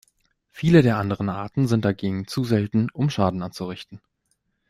Viele der anderen Arten sind dagegen zu selten, um Schaden anzurichten.